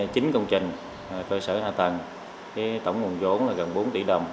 chính công trình cơ sở hạ tầng tổng nguồn vốn gần bốn tỷ đồng